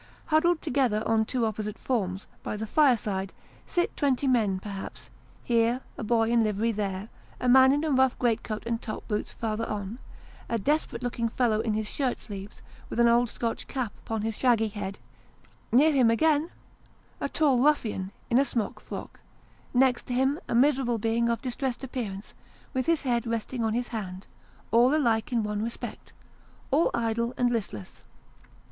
Huddled together on two opposite forms, by the fireside, sit twenty men perhaps ; hero, a boy in livery ; there, a man in a rough great coat and top boots ; farther on, a desperate looking fellow in his shirt sleeves, with an old Scotch cap upon his shaggy head ; near him again, a tall ruffian, in a smock frock ; next to him, a miserable being of distressed appearance, with his head resting on his hand ; all alike in one respect, all idle and listless.